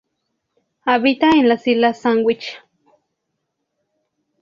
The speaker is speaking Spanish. Habita en las Islas Sandwich.